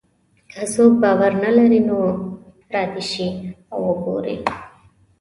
که څوک باور نه لري نو را دې شي او وګوري.